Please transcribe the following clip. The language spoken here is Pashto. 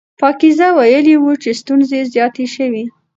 پاکیزه ویلي وو چې ستونزې زیاتې شوې.